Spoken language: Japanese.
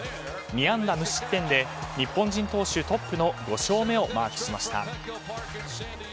２安打無失点で日本人投手トップの５勝目をマークしました。